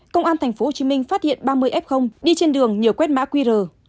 công an tp hồ chí minh phát hiện ba mươi f đi trên đường nhờ quét mã qr